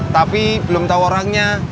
tapi belum tau orangnya